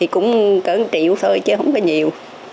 cần triệu thôi chứ không có nhiều